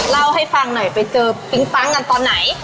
เล่าให้ฟังหน่อยไปเจอปิ๊งปั๊งกันตอนไหน